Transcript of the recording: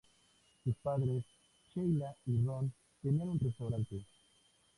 Sus padres, Sheila y Ron, tenían un restaurante.